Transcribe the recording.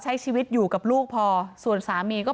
นายพิรายุนั่งอยู่ติดกันแบบนี้นะคะ